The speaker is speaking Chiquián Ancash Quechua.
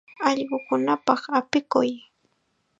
Allqukunapaq apikuy.